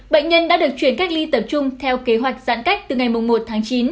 bệnh nhân đã được chuyển cách ly tập trung theo kế hoạch giãn cách từ ngày một tháng chín